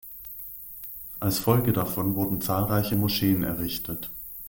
Als Folge davon wurden zahlreichen Moscheen errichtet.